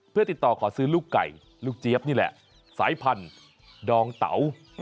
เพื่อติดต่อขอซื้อลูกไก่ลูกเจี๊ยบนี่แหละสายพันธุ์ดองเต๋า